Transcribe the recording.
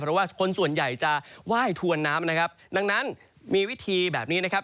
เพราะว่าคนส่วนใหญ่จะไหว้ถวนน้ำนะครับดังนั้นมีวิธีแบบนี้นะครับ